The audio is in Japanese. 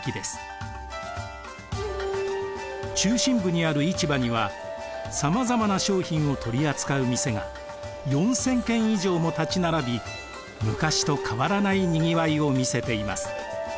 中心部にある市場にはさまざまな商品を取り扱う店が４，０００軒以上も立ち並び昔と変わらないにぎわいを見せています。